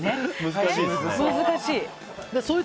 難しい。